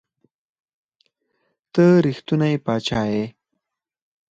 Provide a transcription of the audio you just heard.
ته رښتونے باچا ئې